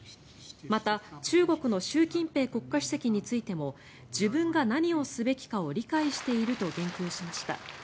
また中国の習近平国家主席についても自分が何をすべきかを理解していると言及しました。